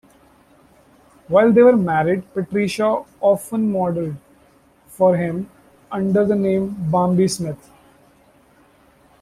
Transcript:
While they were married, Patricia often modeled for him, under the name Bambi Smith.